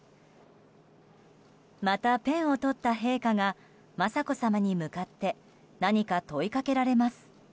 また、ペンを取った陛下が雅子さまに向かって何か問いかけられます。